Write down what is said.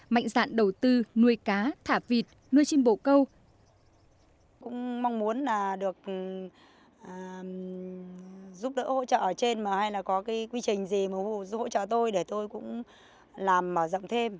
mạnh dạn đầu tư nuôi cá thả vịt nuôi chim bổ câu